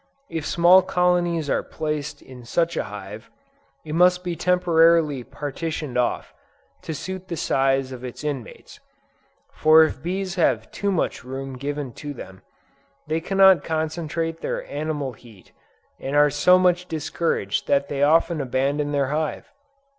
If small colonies are placed in such a hive, it must be temporarily partitioned off, to suit the size of its inmates; for if bees have too much room given to them, they cannot concentrate their animal heat, and are so much discouraged that they often abandon their hive.